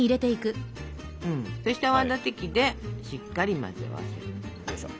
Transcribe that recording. そして泡立て器でしっかり混ぜ合わせる。